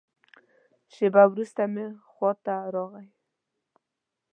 شېبه وروسته مې خوا ته راغی.